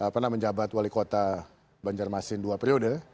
pernah menjabat wali kota banjarmasin dua periode